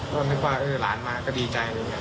ก็นึกว่าหลานมาก็ดีใจ